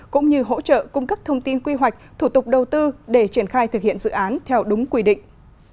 cũng như hỗ trợ cung cấp thông tin quy hoạch thủ tục đầu tư để triển khai thực hiện dự án theo đúng quy định